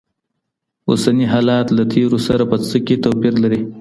اوسني حالات له تېرو سره په څه کي توپیر لري؟